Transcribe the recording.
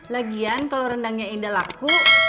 lagian kalau rendangnya indah laku